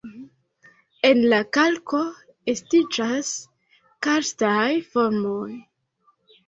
En la kalko estiĝas karstaj formoj.